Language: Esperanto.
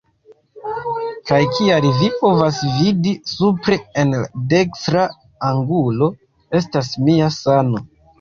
Kaj kial vi povas vidi, supre en la dekstra angulo estas mia sano